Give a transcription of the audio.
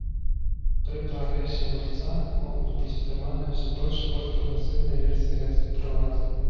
Пры прагрэсе гульца могуць быць атрыманыя ўсё больш і больш прагрэсіўныя версіі гэтых прылад.